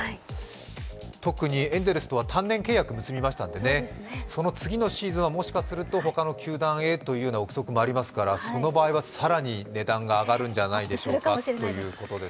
特にエンゼルスとは単年契約を結びましたのでその次のシーズンはもしかするとほかの球団へとの臆測もありますから、その場合は更に値段が上がるんじゃないでしょうか。